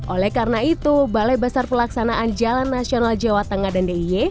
oleh karena itu balai besar pelaksanaan jalan nasional jawa tengah dan diy